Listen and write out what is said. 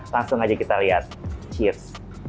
langsung aja kita lihat shift